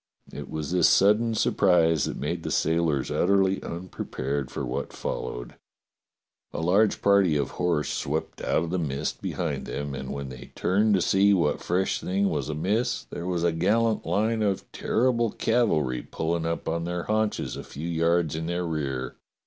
It was this sudden surprise that made the sailors utterly unprepared for what fol lowed. A large party of horse swept out of the mist behind them, and when they turned to see what fresh thing was amiss there was a gallant line of terrible cavalry pulling up on their haunches a few yards in their rear.